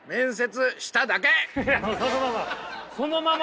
そのまま！